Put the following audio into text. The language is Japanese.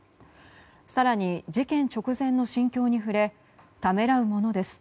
更に、事件直前の心境に触れためらうものです。